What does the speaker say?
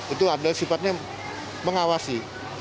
itu adalah sifatnya mengawasi